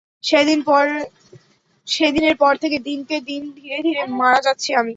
সেদিনের পর থেকে দিনকে দিন ধীরে ধীরে মারা যাচ্ছি আমি।